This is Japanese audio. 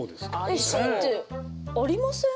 えっＣってありません？